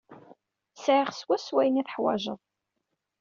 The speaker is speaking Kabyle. Sɛiɣ swaswa ayen ay teḥwajed.